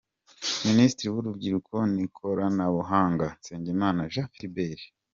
Minisitiri w’Urubyiruko n’Ikoranabuhanga: Nsengimana Jean Philbert.